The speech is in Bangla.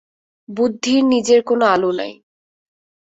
বুদ্ধির নিজের কোন আলো নাই।